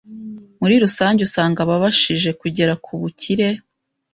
Muri rusange usanga ababashije kugera ku bukire,